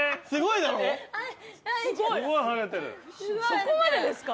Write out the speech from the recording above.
そこまでですか？